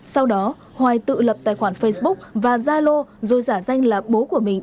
sau đó hoài tự lập tài khoản facebook và gia lô rồi giả danh là bố của mình